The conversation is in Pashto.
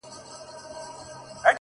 گلي پر ملا باندي راماته نسې ـ